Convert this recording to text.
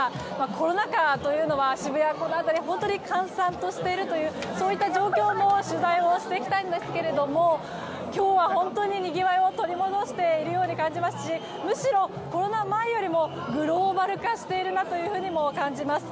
コロナ禍というのは渋谷はこの辺り本当に閑散としている状況も取材をしてきたんですが今日は本当に、にぎわいを取り戻しているように感じますしむしろ、コロナ前よりもグローバル化しているなというように感じます。